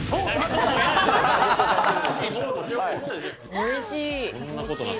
おいしい。